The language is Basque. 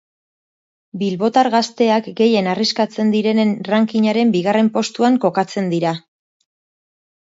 Bilbotar gazteak gehien arriskatzen direnen rankingaren bigarren postuan kokatzen dira.